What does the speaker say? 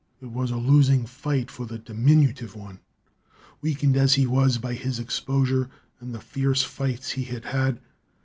It was a losing fight for the diminutive one, weakened as he was by his exposure and the fierce fights he had had.